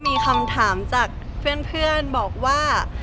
มีคำถามจากเพื่อนบอกว่า